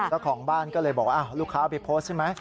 เจ้าของบ้านก็เลยบอกว่าลูกค้าเอาไปโพสต์ใช่ไหม